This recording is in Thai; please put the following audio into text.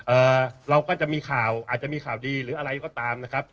เอ่อเราก็จะมีข่าวอาจจะมีข่าวดีหรืออะไรก็ตามนะครับ